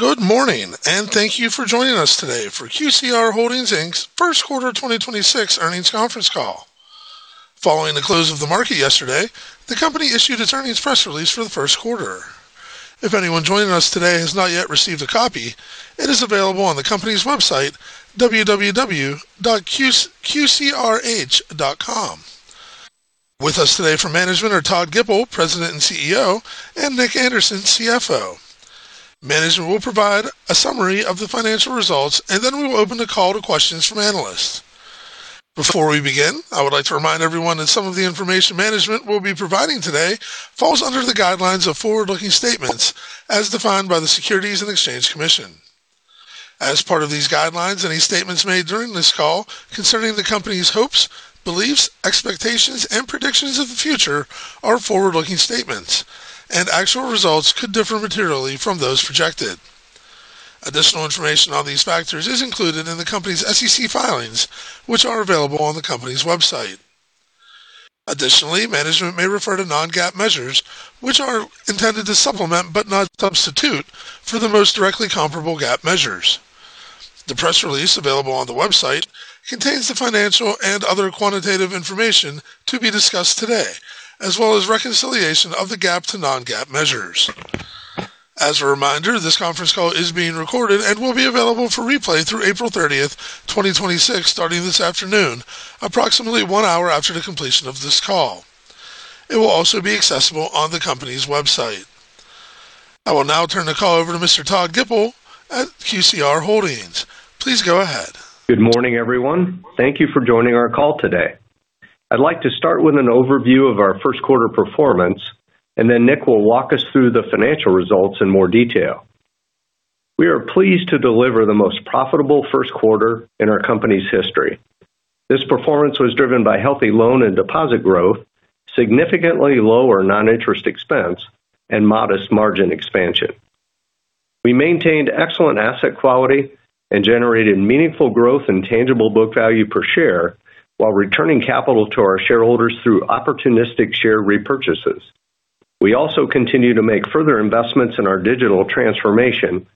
Good morning and thank you for joining us today for QCR Holdings, Inc.'s first quarter 2026 earnings conference call. Following the close of the market yesterday, the company issued its earnings press release for the first quarter. If anyone joining us today has not yet received a copy, it is available on the company's website, www.qcrh.com. With us today from management are Todd Gipple, President and CEO, and Nick Anderson, CFO. Management will provide a summary of the financial results, and then we will open the call to questions from analysts. Before we begin, I would like to remind everyone that some of the information management will be providing today falls under the guidelines of forward-looking statements as defined by the Securities and Exchange Commission. As part of these guidelines, any statements made during this call concerning the company's hopes, beliefs, expectations, and predictions of the future are forward-looking statements, and actual results could differ materially from those projected. Additional information on these factors is included in the company's SEC filings, which are available on the company's website. Additionally, management may refer to non-GAAP measures, which are intended to supplement, but not substitute, for the most directly comparable GAAP measures. The press release available on the website contains the financial and other quantitative information to be discussed today, as well as reconciliation of the GAAP to non-GAAP measures. As a reminder, this conference call is being recorded and will be available for replay through April 30th, 2026, starting this afternoon, approximately one hour after the completion of this call. It will also be accessible on the company's website. I will now turn the call over to Mr. Todd Gipple at QCR Holdings. Please go ahead. Good morning, everyone. Thank you for joining our call today. I'd like to start with an overview of our first quarter performance, and then Nick will walk us through the financial results in more detail. We are pleased to deliver the most profitable first quarter in our company's history. This performance was driven by healthy loan and deposit growth, significantly lower non-interest expense, and modest margin expansion. We maintained excellent asset quality and generated meaningful growth in tangible book value per share while returning capital to our shareholders through opportunistic share repurchases. We also continue to make further investments in our digital transformation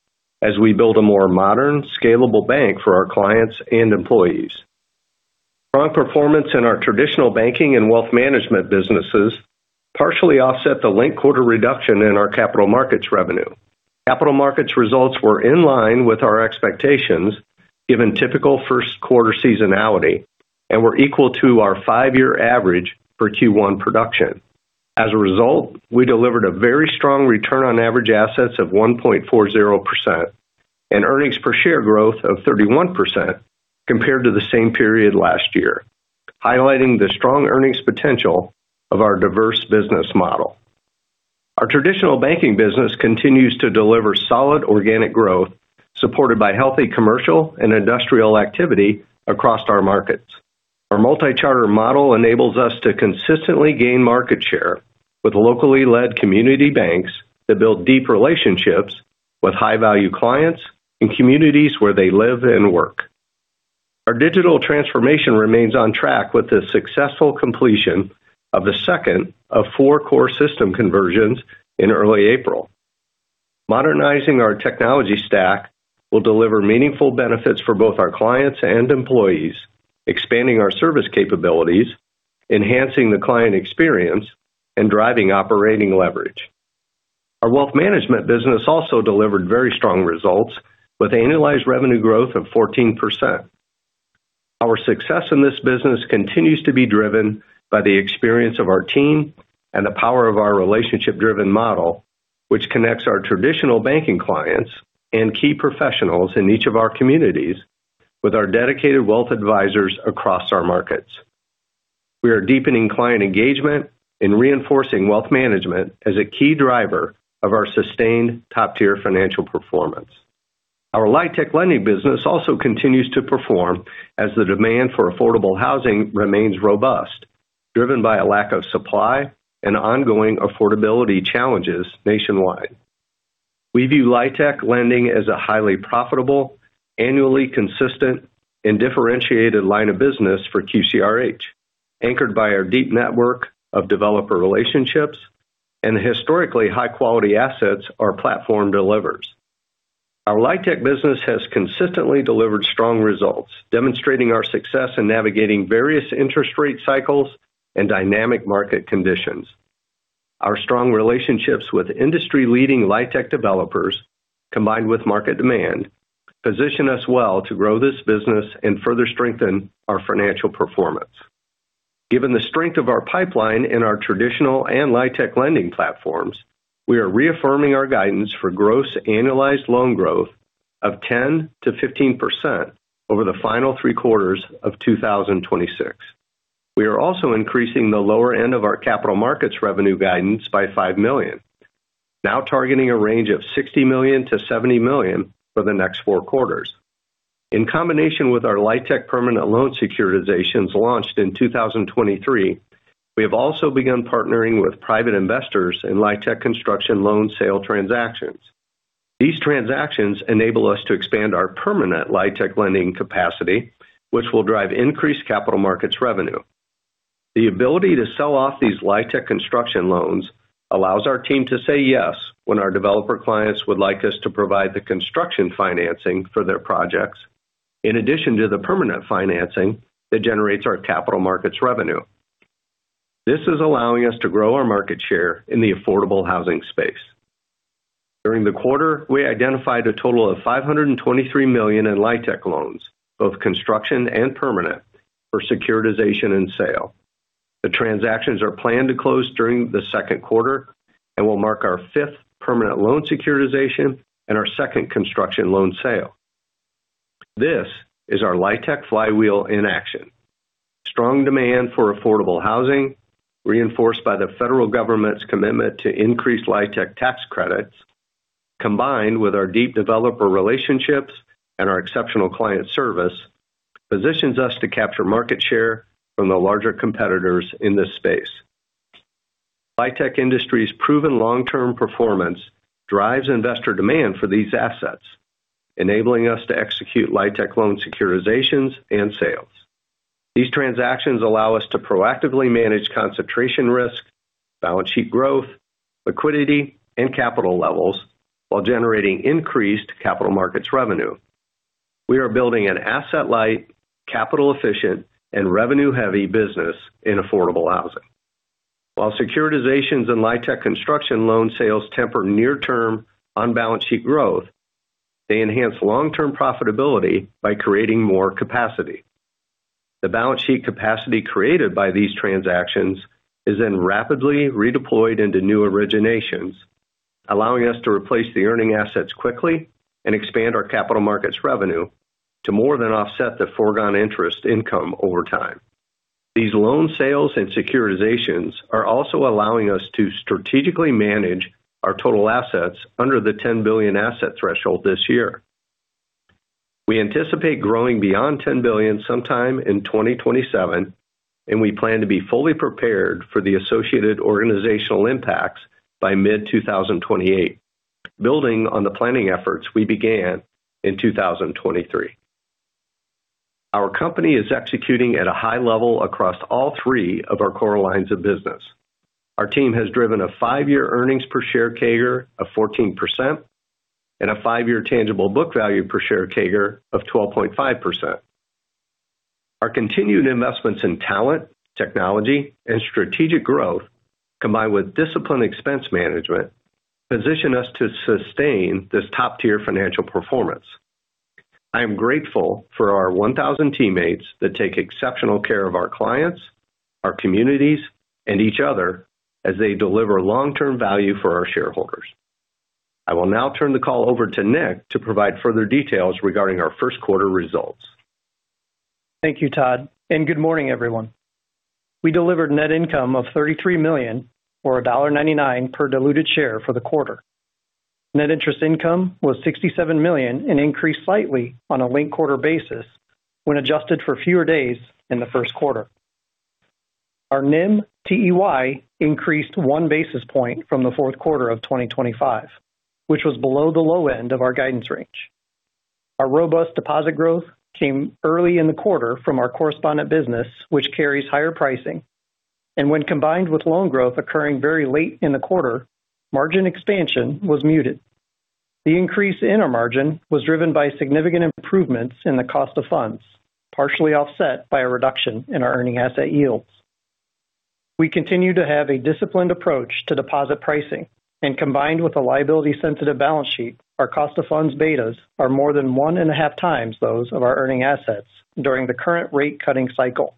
as we build a more modern, scalable bank for our clients and employees. Strong performance in our traditional banking and wealth management businesses partially offset the linked-quarter reduction in our capital markets revenue. Capital markets results were in line with our expectations, given typical first quarter seasonality, and were equal to our five-year average for Q1 production. As a result, we delivered a very strong return on average assets of 1.40% and earnings per share growth of 31% compared to the same period last year, highlighting the strong earnings potential of our diverse business model. Our traditional banking business continues to deliver solid organic growth, supported by healthy commercial and industrial activity across our markets. Our multi-charter model enables us to consistently gain market share with locally led community banks that build deep relationships with high-value clients in communities where they live and work. Our digital transformation remains on track with the successful completion of the second of four core system conversions in early April. Modernizing our technology stack will deliver meaningful benefits for both our clients and employees, expanding our service capabilities, enhancing the client experience, and driving operating leverage. Our wealth management business also delivered very strong results with annualized revenue growth of 14%. Our success in this business continues to be driven by the experience of our team and the power of our relationship-driven model, which connects our traditional banking clients and key professionals in each of our communities with our dedicated wealth advisors across our markets. We are deepening client engagement and reinforcing wealth management as a key driver of our sustained top-tier financial performance. Our LIHTC lending business also continues to perform as the demand for affordable housing remains robust, driven by a lack of supply and ongoing affordability challenges nationwide. We view LIHTC lending as a highly profitable, annually consistent, and differentiated line of business for QCRH, anchored by our deep network of developer relationships and the historically high-quality assets our platform delivers. Our LIHTC business has consistently delivered strong results, demonstrating our success in navigating various interest rate cycles and dynamic market conditions. Our strong relationships with industry-leading LIHTC developers, combined with market demand, position us well to grow this business and further strengthen our financial performance. Given the strength of our pipeline in our traditional and LIHTC lending platforms, we are reaffirming our guidance for gross annualized loan growth of 10%-15% over the final three quarters of 2026. We are also increasing the lower end of our capital markets revenue guidance by $5 million, now targeting a range of $60 million-$70 million for the next four quarters. In combination with our LIHTC permanent loan securitizations launched in 2023, we have also begun partnering with private investors in LIHTC construction loan sale transactions. These transactions enable us to expand our permanent LIHTC lending capacity, which will drive increased capital markets revenue. The ability to sell off these LIHTC construction loans allows our team to say yes when our developer clients would like us to provide the construction financing for their projects, in addition to the permanent financing that generates our capital markets revenue. This is allowing us to grow our market share in the affordable housing space. During the quarter, we identified a total of $523 million in LIHTC loans, both construction and permanent, for securitization and sale. The transactions are planned to close during the second quarter and will mark our fifth permanent loan securitization and our second construction loan sale. This is our LIHTC flywheel in action. Strong demand for affordable housing, reinforced by the federal government's commitment to increase LIHTC tax credits, combined with our deep developer relationships and our exceptional client service, positions us to capture market share from the larger competitors in this space. LIHTC industry's proven long-term performance drives investor demand for these assets, enabling us to execute LIHTC loan securitizations and sales. These transactions allow us to proactively manage concentration risk, balance sheet growth, liquidity, and capital levels while generating increased capital markets revenue. We are building an asset-light, capital-efficient, and revenue-heavy business in affordable housing. While securitizations in LIHTC construction loan sales temper near-term on-balance sheet growth, they enhance long-term profitability by creating more capacity. The balance sheet capacity created by these transactions is then rapidly redeployed into new originations, allowing us to replace the earning assets quickly and expand our capital markets revenue to more than offset the foregone interest income over time. These loan sales and securitizations are also allowing us to strategically manage our total assets under the $10 billion asset threshold this year. We anticipate growing beyond $10 billion sometime in 2027, and we plan to be fully prepared for the associated organizational impacts by mid-2028, building on the planning efforts we began in 2023. Our company is executing at a high level across all three of our core lines of business. Our team has driven a five-year earnings per share CAGR of 14% and a five-year tangible book value per share CAGR of 12.5%. Our continued investments in talent, technology, and strategic growth, combined with disciplined expense management, position us to sustain this top-tier financial performance. I am grateful for our 1,000 teammates that take exceptional care of our clients, our communities, and each other as they deliver long-term value for our shareholders. I will now turn the call over to Nick to provide further details regarding our first quarter results. Thank you, Todd, and good morning, everyone. We delivered net income of $33 million or $1.99 per diluted share for the quarter. Net interest income was $67 million and increased slightly on a linked quarter basis when adjusted for fewer days in the first quarter. Our NIM TEY increased 1 basis point from the fourth quarter of 2025, which was below the low end of our guidance range. Our robust deposit growth came early in the quarter from our correspondent business, which carries higher pricing. When combined with loan growth occurring very late in the quarter, margin expansion was muted. The increase in our margin was driven by significant improvements in the cost of funds, partially offset by a reduction in our earning asset yields. We continue to have a disciplined approach to deposit pricing. Combined with a liability-sensitive balance sheet, our cost of funds betas are more than 1.5x those of our earning assets during the current rate-cutting cycle.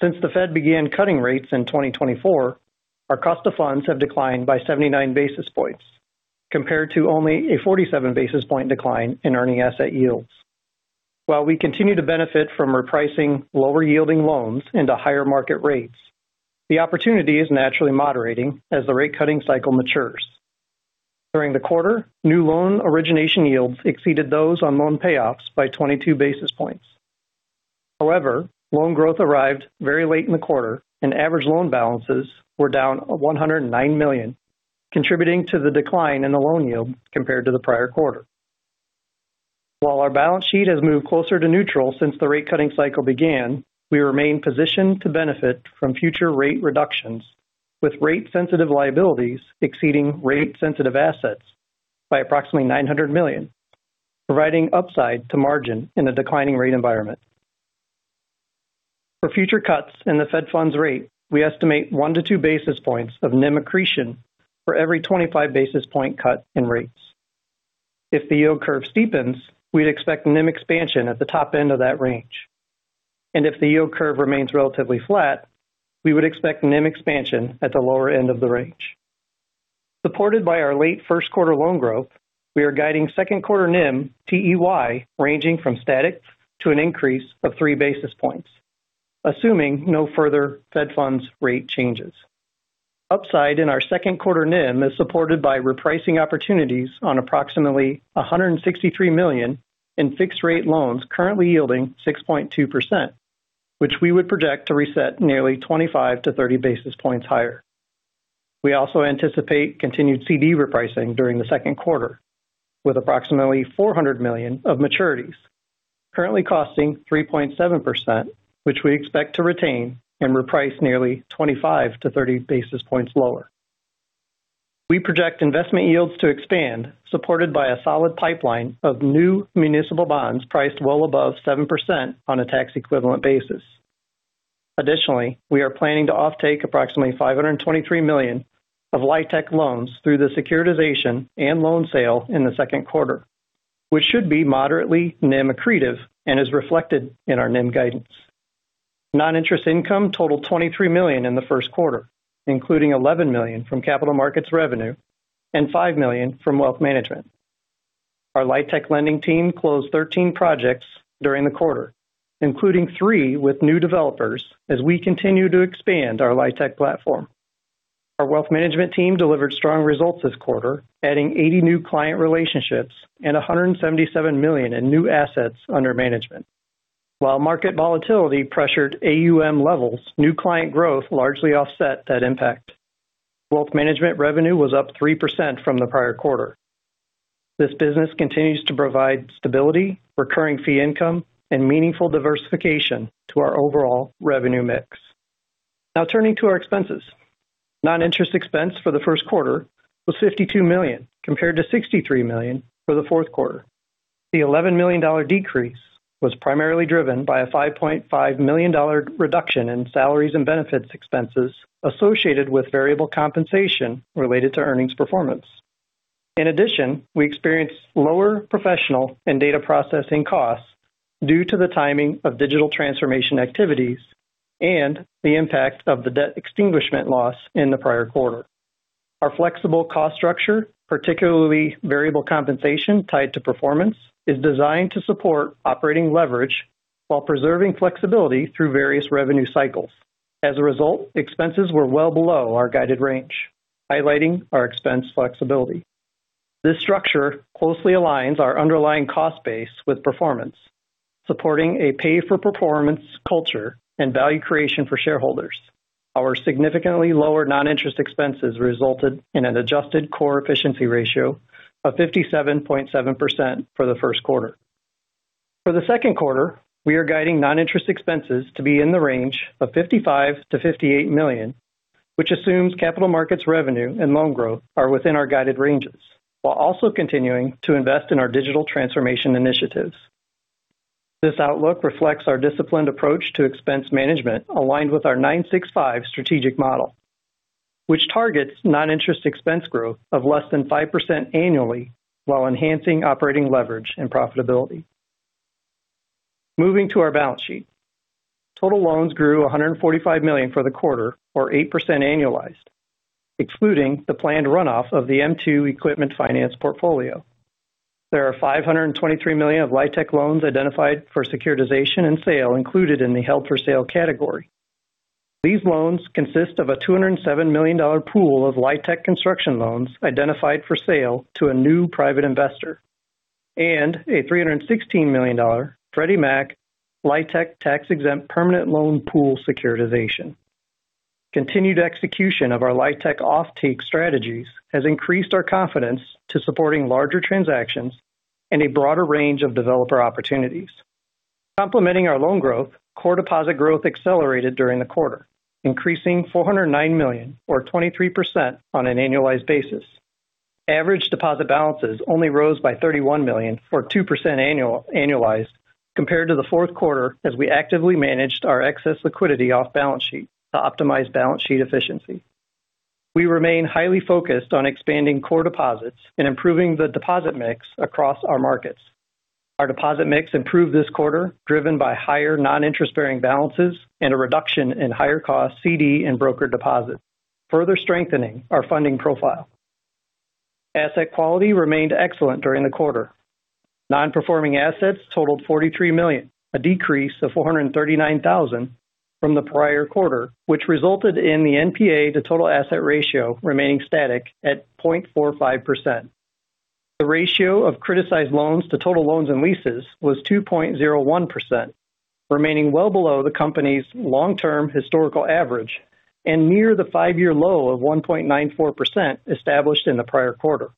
Since the Fed began cutting rates in 2024, our cost of funds have declined by 79 basis points compared to only a 47-basis point decline in earning asset yields. While we continue to benefit from repricing lower-yielding loans into higher market rates, the opportunity is naturally moderating as the rate-cutting cycle matures. During the quarter, new loan origination yields exceeded those on loan payoffs by 22 basis points. However, loan growth arrived very late in the quarter, and average loan balances were down $109 million, contributing to the decline in the loan yield compared to the prior quarter. While our balance sheet has moved closer to neutral since the rate-cutting cycle began, we remain positioned to benefit from future rate reductions, with rate-sensitive liabilities exceeding rate-sensitive assets by approximately $900 million, providing upside to margin in a declining rate environment. For future cuts in the Fed funds rate, we estimate 1-2 basis points of NIM accretion for every 25-basis point cut in rates. If the yield curve steepens, we'd expect NIM expansion at the top end of that range. If the yield curve remains relatively flat, we would expect NIM expansion at the lower end of the range. Supported by our late first quarter loan growth, we are guiding second quarter NIM TEY ranging from static to an increase of 3 basis points, assuming no further Fed funds rate changes. Upside in our second quarter NIM is supported by repricing opportunities on approximately $163 million in fixed-rate loans currently yielding 6.2%, which we would project to reset nearly 25-30 basis points higher. We also anticipate continued CD repricing during the second quarter, with approximately $400 million of maturities currently costing 3.7%, which we expect to retain and reprice nearly 25-30 basis points lower. We project investment yields to expand, supported by a solid pipeline of new municipal bonds priced well above 7% on a tax-equivalent basis. Additionally, we are planning to offtake approximately $523 million of LIHTC loans through the securitization and loan sale in the second quarter, which should be moderately NIM accretive and is reflected in our NIM guidance. Noninterest income totaled $23 million in the first quarter, including $11 million from capital markets revenue and $5 million from wealth management. Our LIHTC lending team closed 13 projects during the quarter, including three with new developers as we continue to expand our LIHTC platform. Our wealth management team delivered strong results this quarter, adding 80 new client relationships and $177 million in new assets under management. While market volatility pressured AUM levels, new client growth largely offset that impact. Wealth management revenue was up 3% from the prior quarter. This business continues to provide stability, recurring fee income, and meaningful diversification to our overall revenue mix. Now turning to our expenses. Non-interest expense for the first quarter was $52 million, compared to $63 million for the fourth quarter. The $11 million decrease was primarily driven by a $5.5 million reduction in salaries and benefits expenses associated with variable compensation related to earnings performance. In addition, we experienced lower professional and data processing costs due to the timing of digital transformation activities and the impact of the debt extinguishment loss in the prior quarter. Our flexible cost structure, particularly variable compensation tied to performance, is designed to support operating leverage while preserving flexibility through various revenue cycles. As a result, expenses were well below our guided range, highlighting our expense flexibility. This structure closely aligns our underlying cost base with performance, supporting a pay-for-performance culture and value creation for shareholders. Our significantly lower non-interest expenses resulted in an adjusted core efficiency ratio of 57.7% for the first quarter. For the second quarter, we are guiding non-interest expenses to be in the range of $55 million-$58 million, which assumes capital markets revenue and loan growth are within our guided ranges, while also continuing to invest in our digital transformation initiatives. This outlook reflects our disciplined approach to expense management aligned with our 965 strategic model, which targets non-interest expense growth of less than 5% annually while enhancing operating leverage and profitability. Moving to our balance sheet. Total loans grew $145 million for the quarter, or 8% annualized, excluding the planned runoff of the m2 equipment finance portfolio. There are $523 million of LIHTC loans identified for securitization and sale included in the held-for-sale category. These loans consist of a $207 million pool of LIHTC construction loans identified for sale to a new private investor and a $316 million Freddie Mac LIHTC tax-exempt permanent loan pool securitization. Continued execution of our LIHTC offtake strategies has increased our confidence in supporting larger transactions and a broader range of developer opportunities. Complementing our loan growth, core deposit growth accelerated during the quarter, increasing $409 million or 23% on an annualized basis. Average deposit balances only rose by $31 million or 2% annualized compared to the fourth quarter, as we actively managed our excess liquidity off balance sheet to optimize balance sheet efficiency. We remain highly focused on expanding core deposits and improving the deposit mix across our markets. Our deposit mix improved this quarter, driven by higher non-interest-bearing balances and a reduction in higher cost CD and broker deposits, further strengthening our funding profile. Asset quality remained excellent during the quarter. Non-performing assets totaled $43 million, a decrease of $439,000 from the prior quarter, which resulted in the NPA to total asset ratio remaining static at 0.45%. The ratio of criticized loans to total loans and leases was 2.01%, remaining well below the company's long-term historical average and near the five-year low of 1.94% established in the prior quarter.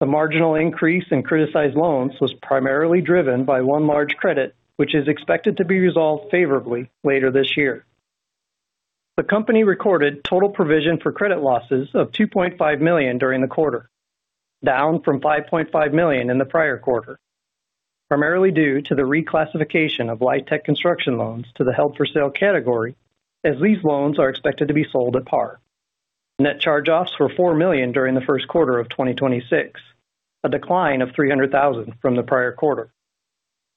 The marginal increase in criticized loans was primarily driven by one large credit, which is expected to be resolved favorably later this year. The company recorded total provision for credit losses of $2.5 million during the quarter, down from $5.5 million in the prior quarter, primarily due to the reclassification of LIHTC construction loans to the held-for-sale category, as these loans are expected to be sold at par. Net charge-offs were $4 million during the first quarter of 2026, a decline of $300,000 from the prior quarter.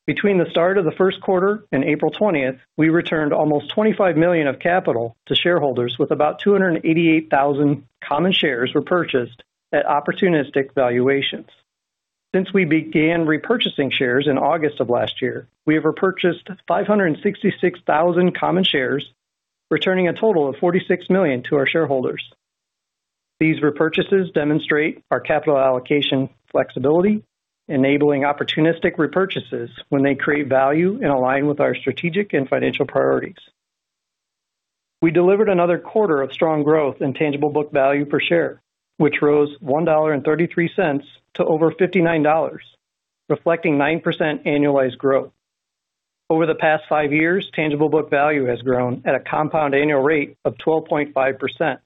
Between the start of the first quarter and April 20th, 2026, we returned almost $25 million of capital to shareholders, with about 288,000 common shares repurchased at opportunistic valuations. Since we began repurchasing shares in August of last year, we have repurchased 566,000 common shares, returning a total of $46 million to our shareholders. These repurchases demonstrate our capital allocation flexibility Enabling opportunistic repurchases when they create value and align with our strategic and financial priorities. We delivered another quarter of strong growth in tangible book value per share, which rose $1.33 to over $59, reflecting 9% annualized growth. Over the past five years, tangible book value has grown at a compound annual rate of 12.5%,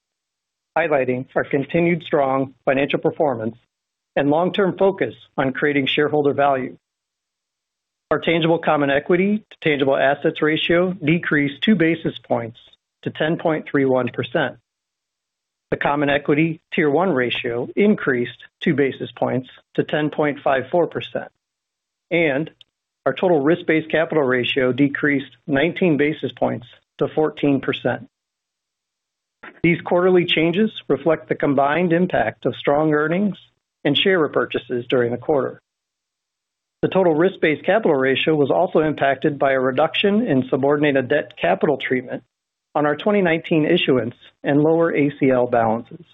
highlighting our continued strong financial performance and long-term focus on creating shareholder value. Our tangible common equity to tangible assets ratio decreased 2 basis points to 10.31%. The common equity Tier 1 ratio increased 2 basis points to 10.54%, and our total risk-based capital ratio decreased 19 basis points to 14%. These quarterly changes reflect the combined impact of strong earnings and share repurchases during the quarter. The total risk-based capital ratio was also impacted by a reduction in subordinated debt capital treatment on our 2019 issuance and lower ACL balances.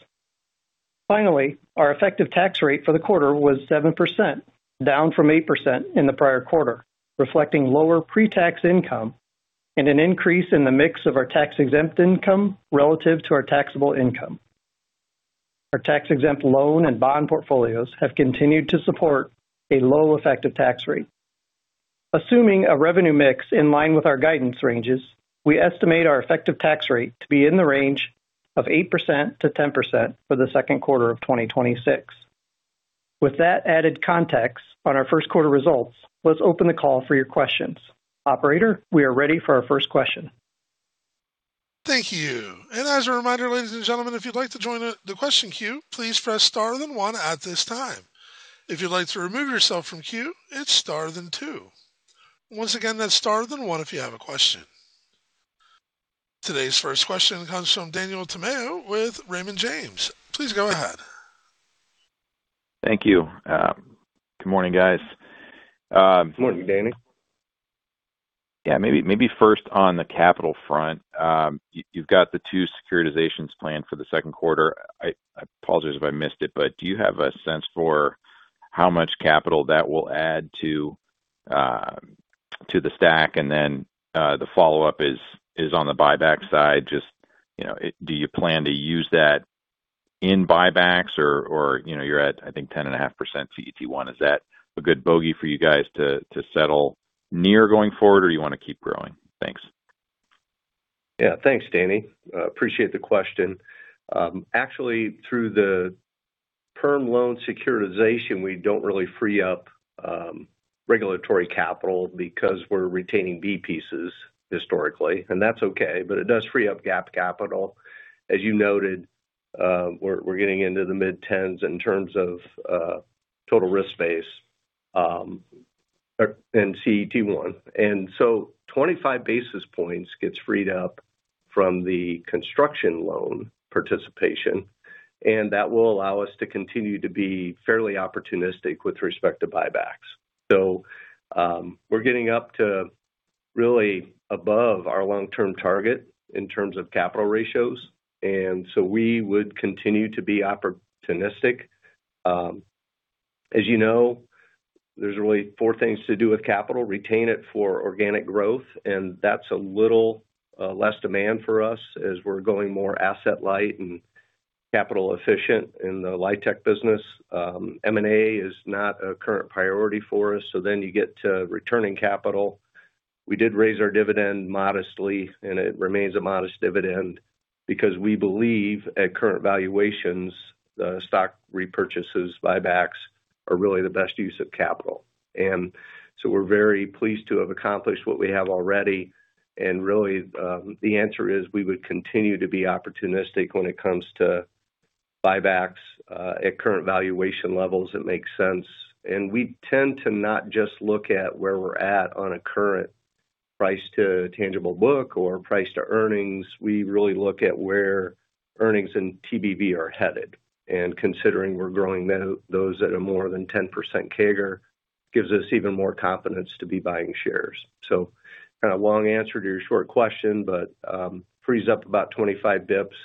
Finally, our effective tax rate for the quarter was 7%, down from 8% in the prior quarter, reflecting lower pre-tax income and an increase in the mix of our tax-exempt income relative to our taxable income. Our tax-exempt loan and bond portfolios have continued to support a low effective tax rate. Assuming a revenue mix in line with our guidance ranges, we estimate our effective tax rate to be in the range of 8%-10% for the second quarter of 2026. With that added context on our first quarter results, let's open the call for your questions. Operator, we are ready for our first question. Thank you. As a reminder, ladies and gentlemen, if you'd like to join the question queue, please press star then one at this time. If you'd like to remove yourself from queue, it's star then two. Once again, that's star then one if you have a question. Today's first question comes from Daniel Tamayo with Raymond James. Please go ahead. Thank you. Good morning, guys. Good morning, Daniel. Yeah, maybe first on the capital front. You've got the two securitizations planned for the second quarter. I apologize if I missed it, but do you have a sense for how much capital that will add to the stack? Then the follow-up is on the buyback side. Do you plan to use that in buybacks, or you're at 10.5% CET1. Is that a good bogey for you guys to settle near going forward, or you want to keep growing? Thanks. Yeah, thanks, Daniel. Appreciate the question. Actually, through the term loan securitization, we don't really free up regulatory capital because we're retaining B-pieces historically, and that's okay. It does free up GAAP capital. As you noted, we're getting into the mid-10s in terms of total risk-based in CET1. 25 basis points gets freed up from the construction loan participation, and that will allow us to continue to be fairly opportunistic with respect to buybacks. We're getting up to really above our long-term target in terms of capital ratios, and we would continue to be opportunistic. As you know, there's really four things to do with capital, retain it for organic growth, and that's a little less demand for us as we're going more asset light and capital efficient in the LIHTC business. M&A is not a current priority for us. You get to returning capital. We did raise our dividend modestly, and it remains a modest dividend because we believe at current valuations, the stock repurchases, buybacks are really the best use of capital. We're very pleased to have accomplished what we have already. Really, the answer is we would continue to be opportunistic when it comes to buybacks. At current valuation levels, it makes sense. We tend to not just look at where we're at on a current price to tangible book or price to earnings. We really look at where earnings and TBV are headed. Considering we're growing those at a more than 10% CAGR gives us even more confidence to be buying shares. Kind of long answer to your short question, but frees up about 25 basis points,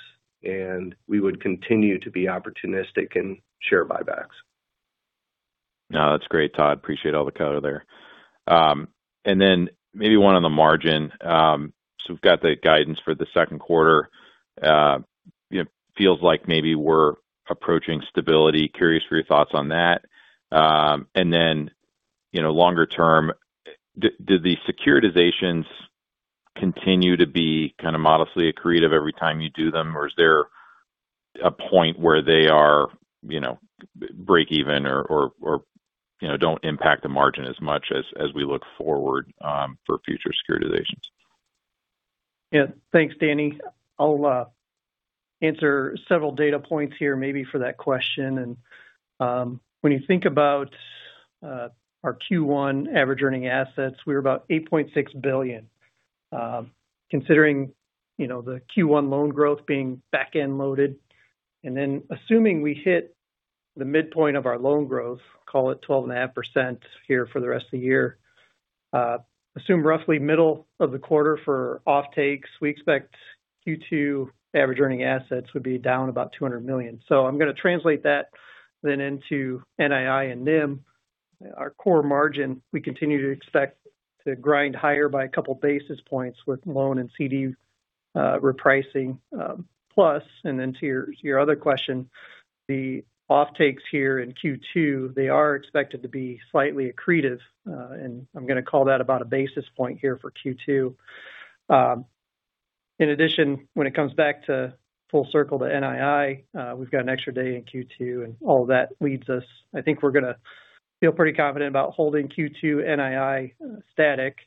and we would continue to be opportunistic in share buybacks. No, that's great, Todd. Appreciate all the color there. Then maybe one on the margin. We've got the guidance for the second quarter. Feels like maybe we're approaching stability. I'm curious for your thoughts on that. Then longer term, do the securitizations continue to be kind of modestly accretive every time you do them? Or is there a point where they are break even or don't impact the margin as much as we look forward for future securitizations? Yeah. Thanks, Daniel. I'll answer several data points here maybe for that question. When you think about our Q1 average earning assets, we were about $8.6 billion. Considering the Q1 loan growth being back-end loaded, and then assuming we hit the midpoint of our loan growth, call it 12.5% here for the rest of the year. Assume roughly middle of the quarter for off takes. We expect Q2 average earning assets would be down about $200 million. I'm going to translate that then into NII and NIM, our core margin. We continue to expect to grind higher by a couple basis points with loan and CD repricing plus. To your other question, the off takes here in Q2, they are expected to be slightly accretive, and I'm going to call that about a basis point here for Q2. In addition, when it comes back to full circle to NII, we've got an extra day in Q2 and all that leads us, I think we're going to feel pretty confident about holding Q2 NII static.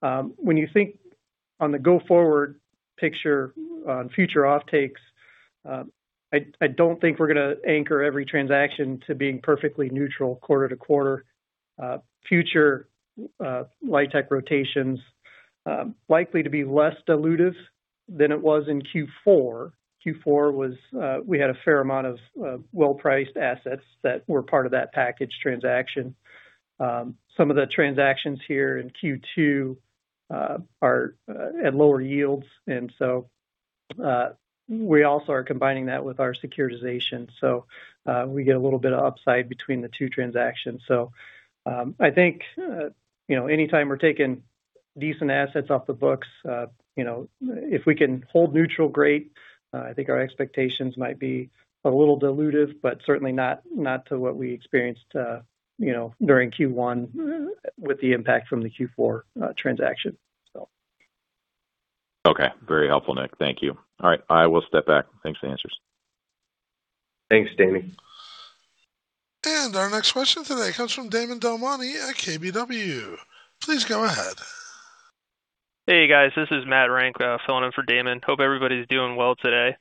When you think on the going forward picture on future off-takes, I don't think we're going to anchor every transaction to being perfectly neutral quarter to quarter. Future LIHTC rotations likely to be less dilutive than it was in Q4. Q4, was we had a fair amount of well-priced assets that were part of that package transaction. Some of the transactions here in Q2 are at lower yields, and so we also are combining that with our securitization. We get a little bit of upside between the two transactions. I think, anytime we're taking decent assets off the books if we can hold neutral, great. I think our expectations might be a little dilutive, but certainly not to what we experienced during Q1 with the impact from the Q4 transaction. Okay. Very helpful, Nick. Thank you. All right; I will step back. Thanks for the answers. Thanks, Daniel. Our next question today comes from Damon DelMonte at KBW. Please go ahead. Hey, guys. This is Matt Renck filling in for Damon. Hope everybody's doing well today.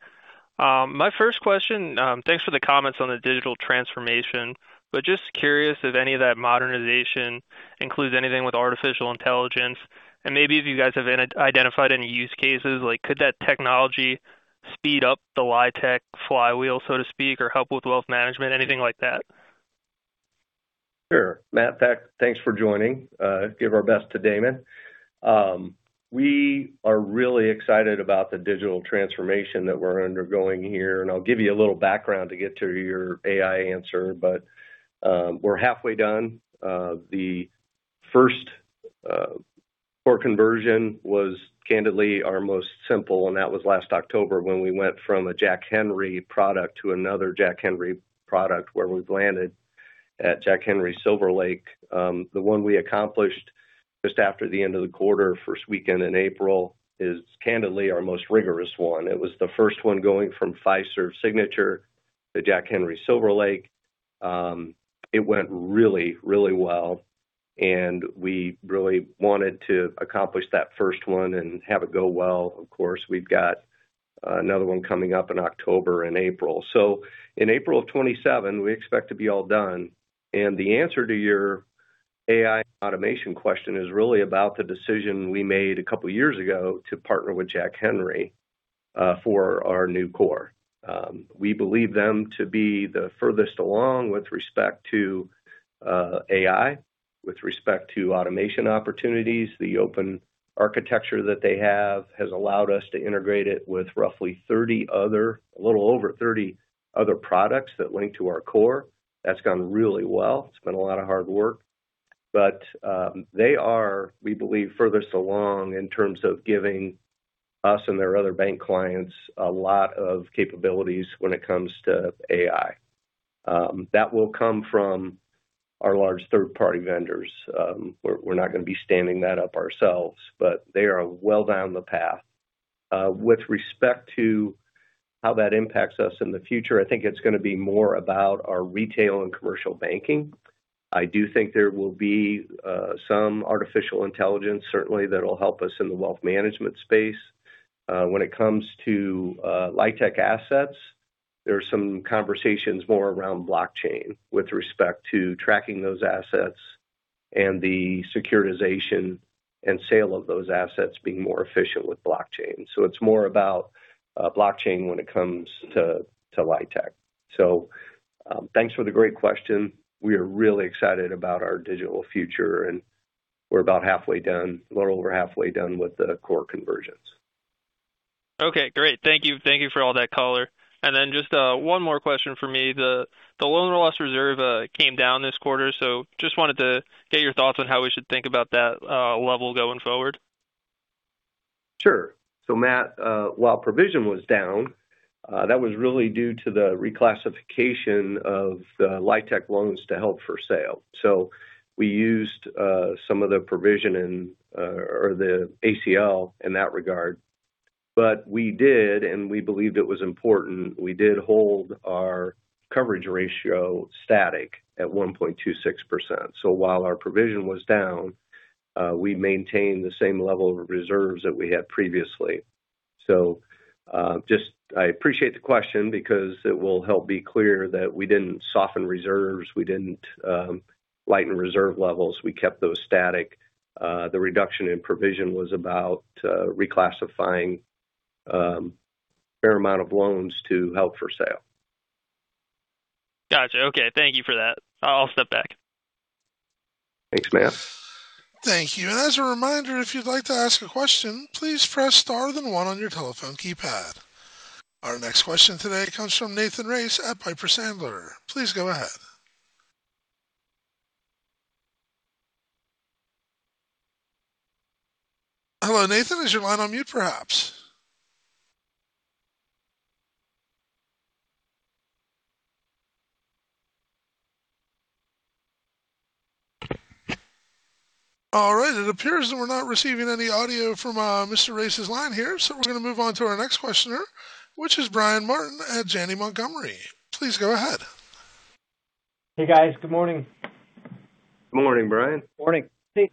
My first question, thanks for the comments on the digital transformation. Just curious if any of that modernization includes anything with artificial intelligence. Maybe if you guys have identified any use cases, like could that technology speed up the LIHTC flywheel, so to speak, or help with wealth management, anything like that? Sure. Matt, thanks for joining. Give our best to Damon. We are really excited about the digital transformation that we're undergoing here, and I'll give you a little background to get to your AI answer, but we're halfway done. The first core conversion was candidly our most simple, and that was last October when we went from a Jack Henry product to another Jack Henry product where we've landed at Jack Henry SilverLake. The one we accomplished just after the end of the quarter, first weekend in April, is candidly our most rigorous one. It was the first one going from Fiserv Signature to Jack Henry SilverLake. It went really, really well, and we really wanted to accomplish that first one and have it go well. Of course, we've got another one coming up in October and April. In April of 2027, we expect to be all done. The answer to your AI automation question is really about the decision we made a couple of years ago to partner with Jack Henry for our new core. We believe them to be the furthest along with respect to AI, with respect to automation opportunities. The open architecture that they have has allowed us to integrate it with roughly 30 others, a little over 30 other products that link to our core. That's gone really well. It's been a lot of hard work. They are, we believe, furthest along in terms of giving us and their other bank clients a lot of capabilities when it comes to AI. That will come from our large third-party vendors. We're not going to be standing that up ourselves, but they are well down the path. With respect to how that impacts us in the future, I think it's going to be more about our retail and commercial banking. I do think there will be some artificial intelligence, certainly, that'll help us in the wealth management space. When it comes to LIHTC assets, there are some conversations more around blockchain with respect to tracking those assets and the securitization and sale of those assets being more efficient with blockchain. It's more about blockchain when it comes to LIHTC. Thanks for the great question. We are really excited about our digital future, and we're about halfway done, a little over halfway done with the core conversions. Okay, great. Thank you for all that color. Then just one more question for me. The loan loss reserve came down this quarter. Just wanted to get your thoughts on how we should think about that level going forward. Sure. Matt, while provision was down, that was really due to the reclassification of the LIHTC loans to held-for-sale. We used some of the provision or the ACL in that regard. We did, and we believed it was important; we did hold our coverage ratio static at 1.26%. While our provision was down, we maintained the same level of reserves that we had previously. Just, I appreciate the question because it will help to be clear that we didn't soften reserves. We didn't lighten reserve levels. We kept those static. The reduction in provision was about reclassifying a fair amount of loans to held-for-sale. Gotcha. Okay. Thank you for that. I'll step back. Thanks, Matt. Thank you. As a reminder, if you'd like to ask a question, please press star then one on your telephone keypad. Our next question today comes from Nathan Race at Piper Sandler. Please go ahead. Hello, Nathan. Is your line on mute perhaps? All right. It appears that we're not receiving any audio from Mr. Race's line here, so we're going to move on to our next questioner, which is Brian Martin at Janney Montgomery Scott. Please go ahead. Hey, guys. Good morning. Morning, Brian. Morning. Hey,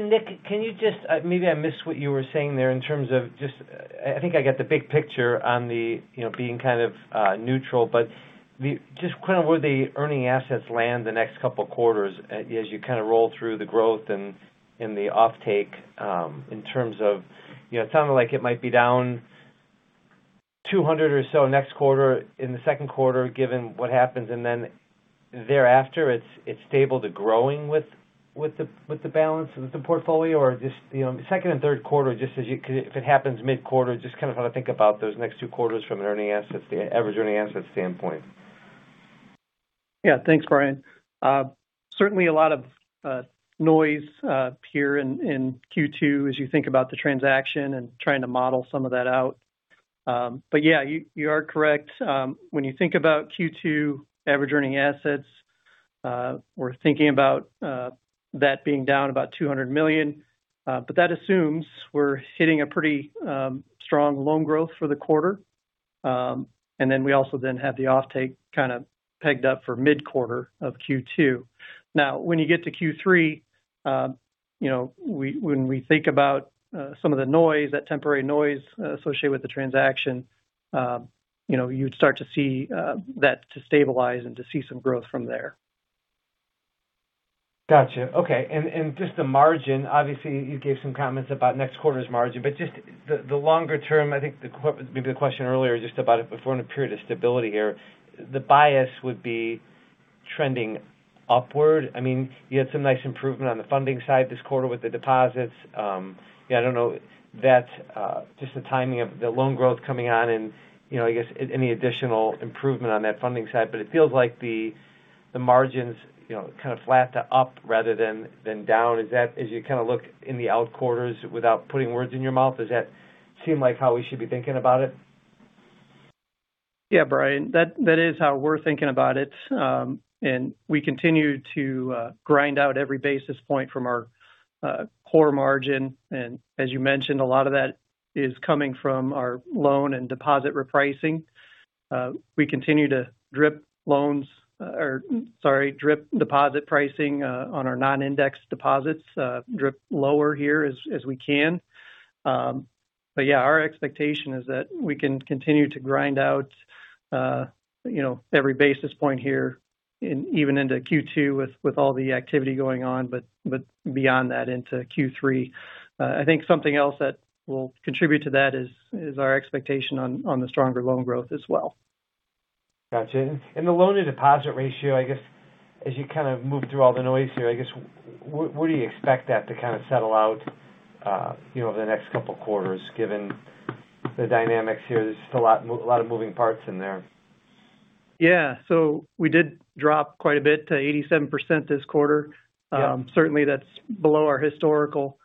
Nick, can you just maybe I missed what you were saying there in terms of just I think I get the big picture on it being kind of neutral, but just kind of where the earning assets land the next couple of quarters as you kind of roll through the growth and the offtake in terms of it sounded like it might be down 200 or so next quarter in the second quarter, given what happens, and then thereafter it's stable to growing with the balance of the portfolio, or just second and third quarter, just as you could if it happens mid-quarter. Just kind of how to think about those next two quarters from an average earning assets standpoint. Yeah. Thanks, Brian. Certainly, a lot of noise here in Q2 as you think about the transaction and trying to model some of that out. Yeah, you are correct. When you think about Q2 average earning assets, we're thinking about that being down about $200 million. That assumes we're hitting a pretty strong loan growth for the quarter. We also then have the offtake kind of pegged up for mid-quarter of Q2. Now when you get to Q3, when we think about some of the noise, that temporary noise associated with the transaction, you'd start to see that to stabilize and to see some growth from there. Got you. Okay. Just the margin. Obviously, you gave some comments about next quarter's margin. Just the longer term, I think maybe the question earlier just about if we're in a period of stability here, the bias would be trending upward. You had some nice improvement on the funding side this quarter with the deposits. Yeah, I don't know. That's just the timing of the loan growth coming on and I guess any additional improvement on that funding side. It feels like the margin's kind of flat to up rather than down as you kind of look in the out quarters. Without putting words in your mouth, does that seem like how we should be thinking about it? Yeah, Brian, that is how we're thinking about it. We continue to grind out every basis point from our core margin. As you mentioned, a lot of that is coming from our loan and deposit repricing. We continue to drip loans or, sorry, drip deposit pricing on our non-indexed deposits, drip lower here as we can. Yeah, our expectation is that we can continue to grind out every basis point here and even into Q2 with all the activity going on. Beyond that into Q3. I think something else that will contribute to that is our expectation on the stronger loan growth as well. Got you. The loan to deposit ratio, I guess as you kind of move through all the noise here, I guess, where do you expect that to kind of settle out over the next couple of quarters, given the dynamics here? There's just a lot of moving parts in there. Yeah. We did drop quite a bit to 87% this quarter. Yeah. Certainly, that's below our historical.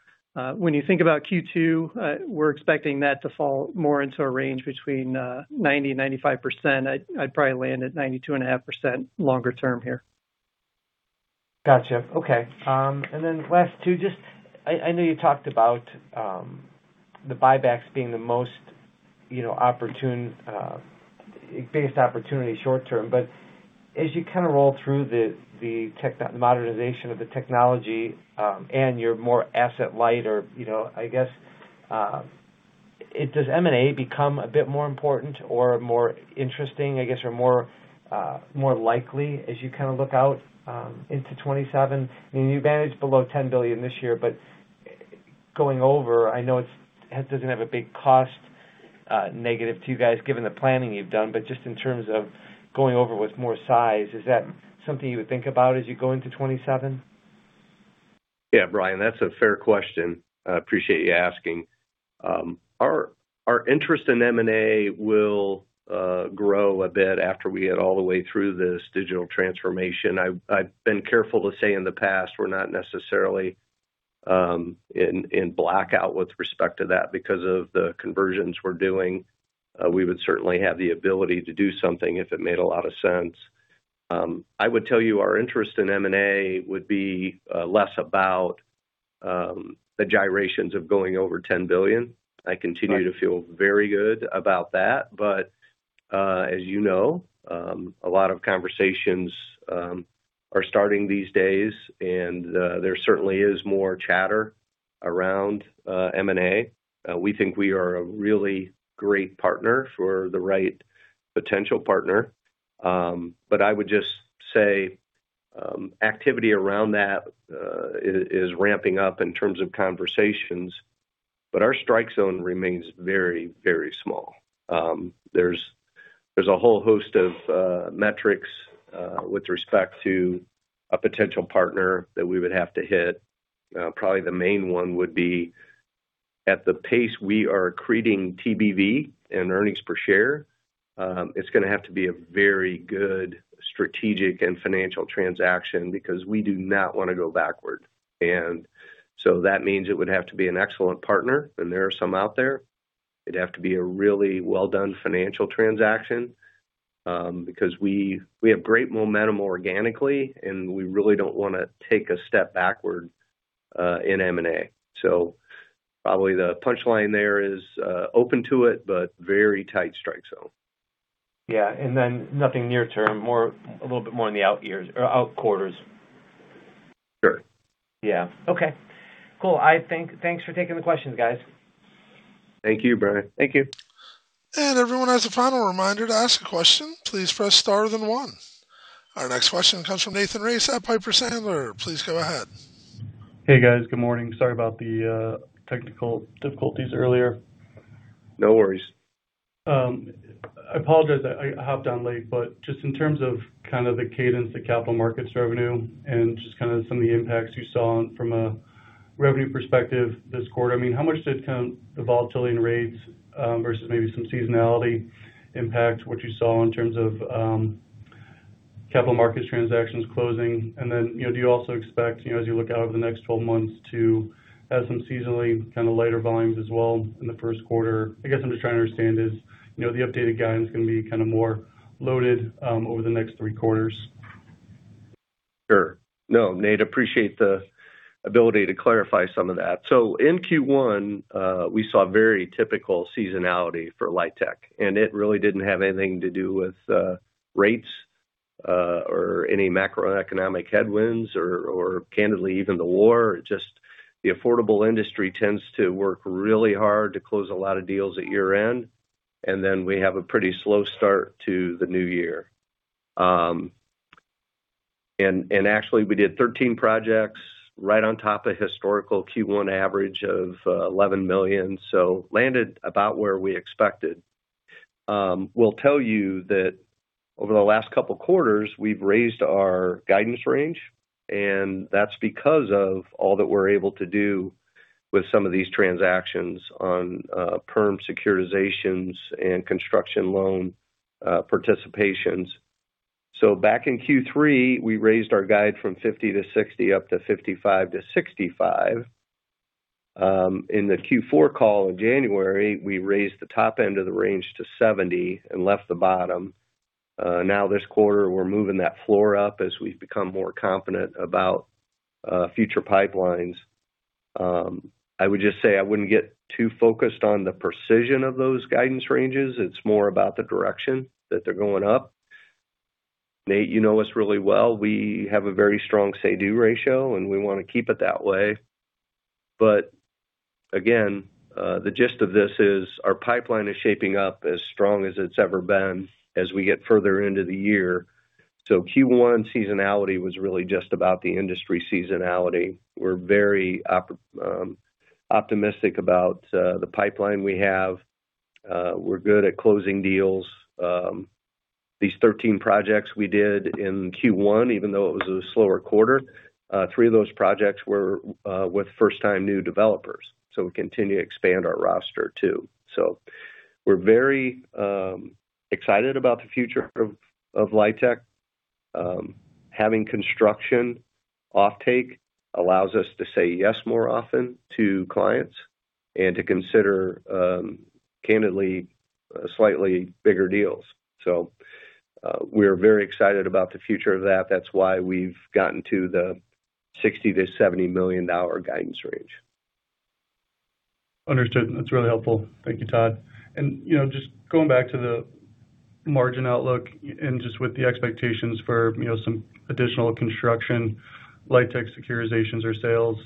When you think about Q2, we're expecting that to fall more into a range between 90% and 95%. I'd probably land at 92.5% longer term here. Got you. Okay. Last two. I know you talked about the buybacks being the most biggest opportunity short term. As you kind of roll through the modernization of the technology and your more asset light or I guess, does M&A become a bit more important or more interesting, I guess, or more likely as you kind of look out into 2027? You managed below $10 billion this year. Going over, I know it doesn't have a big cost negative to you guys given the planning you've done. Just in terms of going over with more size, is that something you would think about as you go into 2027? Yeah. Brian, that's a fair question. I appreciate you asking. Our interest in M&A will grow a bit after we get all the way through this digital transformation. I've been careful to say in the past, we're not necessarily in blackout with respect to that because of the conversions we're doing. We would certainly have the ability to do something if it made a lot of sense. I would tell you our interest in M&A would be less about the gyrations of going over $10 billion. Right. I continue to feel very good about that. As you know, a lot of conversations are starting these days, and there certainly is more chatter around M&A. We think we are a really great partner for the right potential partner. I would just say activity around that is ramping up in terms of conversations. Our strike zone remains very, very small. There's a whole host of metrics with respect to a potential partner that we would have to hit. Probably the main one would be at the pace we are creating TBV and earnings per share; it's going to have to be a very good strategic and financial transaction because we do not want to go backward. That means it would have to be an excellent partner, and there are some out there. It'd have to be a really well-done financial transaction, because we have great momentum organically, and we really don't want to take a step backward in M&A. Probably the punchline there is open to it, but very tight strike zone. Yeah. Nothing near term, a little bit more in the out years or out quarters. Sure. Yeah. Okay. Cool. Thanks for taking the questions, guys. Thank you, Brian. Thank you. Everyone as a final reminder to ask a question, please press star then one. Our next question comes from Nathan Race at Piper Sandler. Please go ahead. Hey, guys. Good morning. Sorry about the technical difficulties earlier. No worries. I apologize I hopped on late, but just in terms of kind of the cadence of capital markets revenue and just kind of some of the impacts you saw from a revenue perspective this quarter, I mean, how much did the volatility in rates versus maybe some seasonality impact what you saw in terms of capital markets transactions closing? Do you also expect, as you look out over the next 12 months to have some seasonally kind of lighter volumes as well in the first quarter? I guess I'm just trying to understand is, the updated guidance going to be kind of more loaded over the next three quarters? Sure. No, Nathan, I appreciate the ability to clarify some of that. In Q1, we saw very typical seasonality for LIHTC, and it really didn't have anything to do with rates or any macroeconomic headwinds or candidly, even the war. Just the affordable industry tends to work really hard to close a lot of deals at year-end, and then we have a pretty slow start to the new year. Actually, we did 13 projects right on top of historical Q1 average of $11 million. Landed about where we expected. I'll tell you that over the last couple of quarters, we've raised our guidance range, and that's because of all that we're able to do with some of these transactions on perm securitizations and construction loan participations. Back in Q3, we raised our guide from $50 million-$60 million up to $55 million-$65 million. In the Q4 call in January, we raised the top end of the range to 70 and left the bottom. Now this quarter, we're moving that floor up as we've become more confident about future pipelines. I would just say I wouldn't get too focused on the precision of those guidance ranges. It's more about the direction that they're going up. Nathan, you know us really well. We have a very strong say-do ratio, and we want to keep it that way. Again, the gist of this is our pipeline is shaping up as strong as it's ever been as we get further into the year. Q1 seasonality was really just about the industry seasonality. We're very optimistic about the pipeline we have. We're good at closing deals. These 13 projects we did in Q1, even though it was a slower quarter, three of those projects were with first-time new developers. We continue to expand our roster too. We're very excited about the future of LIHTC. Having construction offtake allows us to say yes more often to clients and to consider, candidly, slightly bigger deals. We're very excited about the future of that. That's why we've gotten to the $60-$70 million guidance range. Understood. That's really helpful. Thank you, Todd. Just going back to the margin outlook and just with the expectations for some additional construction, LIHTC securitizations or sales,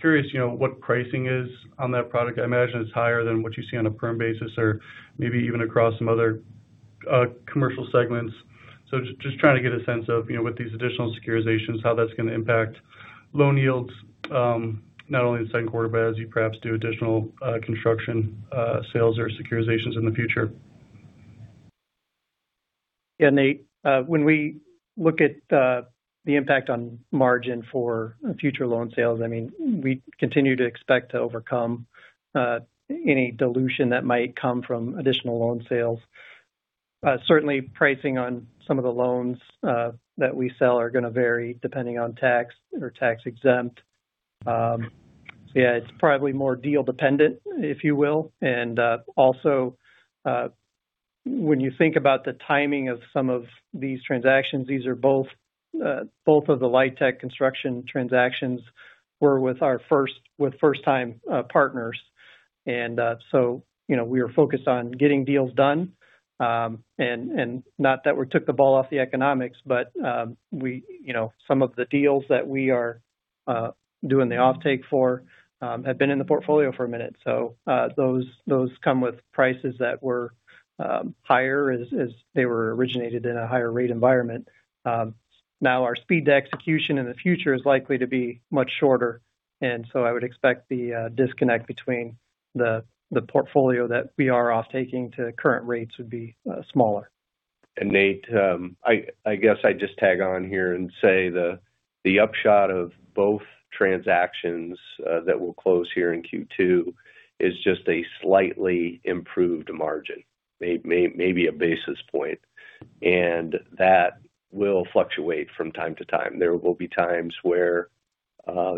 curious what pricing is on that product. I imagine it's higher than what you see on a perm basis or maybe even across some other commercial segments. Just trying to get a sense of with these additional securitizations, how that's going to impact loan yields, not only in the second quarter, but as you perhaps do additional construction sales or securitizations in the future. Yeah, Nathan. When we look at the impact on margin for future loan sales, I mean, we continue to expect to overcome any dilution that might come from additional loan sales. Certainly, pricing on some of the loans that we sell are going to vary depending on tax or tax-exempt. Yeah, it's probably more deal dependent, if you will. Also, when you think about the timing of some of these transactions, both of the LIHTC construction transactions were with first-time partners. We are focused on getting deals done. Not that we took the ball off the economics, but some of the deals that we are doing the offtake for have been in the portfolio for a minute. Those come with prices that were higher as they were originated in a higher rate environment. Now our speed to execution in the future is likely to be much shorter, and so I would expect the disconnect between the portfolio that we are off taking to current rates would be smaller. Nathan, I guess I just tag on here and say the upshot of both transactions that will close here in Q2 is just a slightly improved margin, maybe a basis point. That will fluctuate from time to time. There will be times were,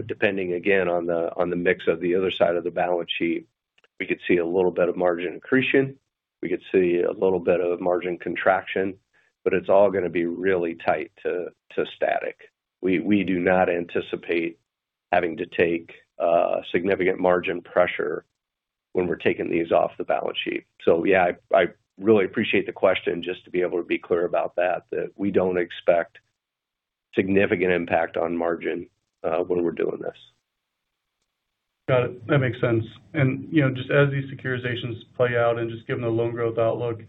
depending again on the mix of the other side of the balance sheet, we could see a little bit of margin accretion, we could see a little bit of margin contraction. It's all going to be really tight to static. We do not anticipate having to take a significant margin pressure when we're taking these off the balance sheet. Yeah, I really appreciate the question just to be able to be clear about that we don't expect significant impact on margin when we're doing this. Got it. That makes sense. Just as these securitizations play out and just given the loan growth outlook,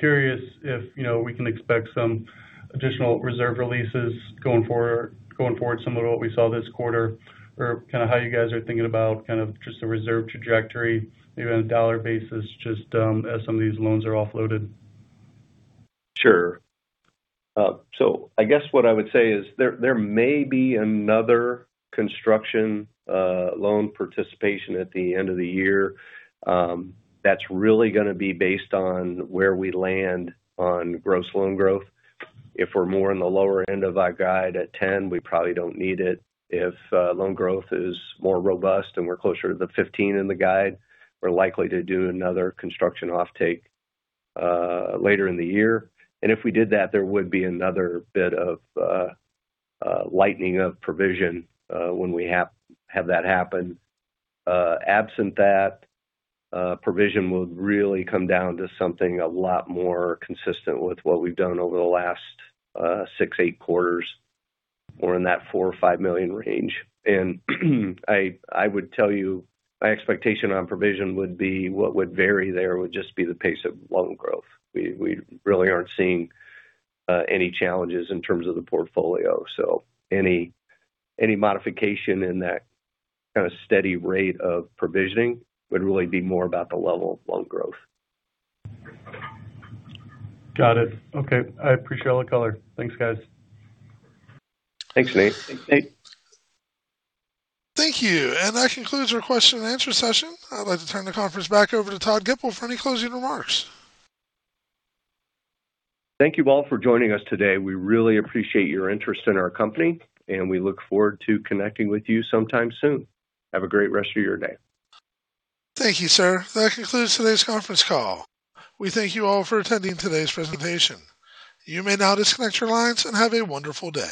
curious if we can expect some additional reserve releases going forward, similar to what we saw this quarter, or kind of how you guys are thinking about kind of just the reserve trajectory, maybe on a dollar basis just as some of these loans are offloaded? Sure. I guess what I would say is there may be another construction loan participation at the end of the year. That's really going to be based on where we land on gross loan growth. If we're more in the lower end of our guide at 10%, we probably don't need it. If loan growth is more robust and we're closer to the 15% in the guide, we're likely to do another construction offtake later in the year. If we did that, there would be another bit of lightening of provision when we have that happen. Absent that, provision would really come down to something a lot more consistent with what we've done over the last six, eight quarters. We're in that $4 million-$5 million range. I would tell you my expectation on provision would be what would vary. There would just be the pace of loan growth. We really aren't seeing any challenges in terms of the portfolio. Any modification in that steady rate of provisioning would really be more about the level of loan growth. Got it. Okay. I appreciate all the color. Thanks, guys. Thanks, Nathan. Thanks, Nathan. Thank you. That concludes our question and answer session. I'd like to turn the conference back over to Todd Gipple for any closing remarks. Thank you all for joining us today. We really appreciate your interest in our company, and we look forward to connecting with you sometime soon. Have a great rest of your day. Thank you, sir. That concludes today's conference call. We thank you all for attending today's presentation. You may now disconnect your lines and have a wonderful day.